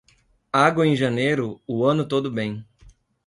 Água em janeiro, o ano todo bem.